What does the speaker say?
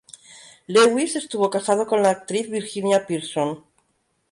Lewis estuvo casado con la actriz Virginia Pearson.